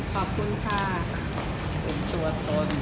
ใช่เลยฉันจะรอกับเธอแล้วนะฉันไม่จะรอกับคน